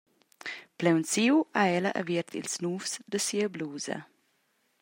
Plaunsiu ha ella aviert ils nuvs da sia blusa.